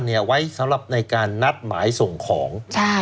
ไว้สำหรับในการนัดหมายส่งของใช่